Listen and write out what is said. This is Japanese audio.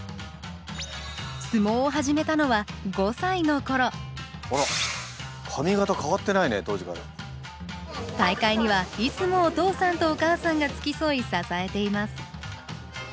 相撲を始めたのは５歳の頃あら大会にはいつもお父さんとお母さんが付き添い支えています